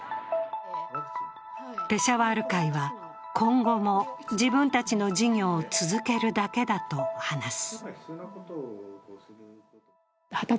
ペシャワール会は今後も、自分たちの事業を続けるだけだと話す。